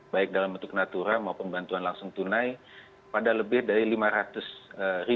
baik dalam bentuk natural maupun bantuan langsung tunai pada lebih dari lima ratus ribu warga kita yang ada di luar negeri